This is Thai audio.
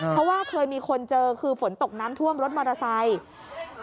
เพราะว่าเคยมีคนเจอคือฝนตกน้ำท่วมรถมอเตอร์ไซค์